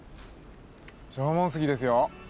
縄文杉ですよ。